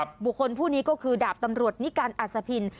บุคคลผู้นี้ก็คือดาบตำรวจนิกัลอัศพิน